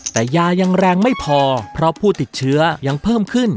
แต่ยายังแรงไม่พอเพราะผู้ติดเชื้อยังเพิ่มขึ้น